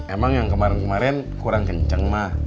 emang yang kemarin kemarin kurang kenceng mah